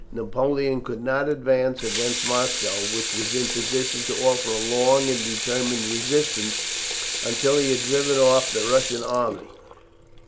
Napoleon could not advance against Moscow, which was in a position to offer a long and determined resistance, until he had driven off the Russian army.